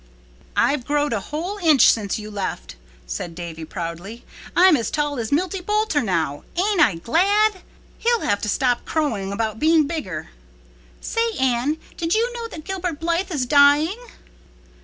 "I've growed a whole inch since you left," said Davy proudly. "I'm as tall as Milty Boulter now. Ain't I glad. He'll have to stop crowing about being bigger. Say, Anne, did you know that Gilbert Blythe is dying?"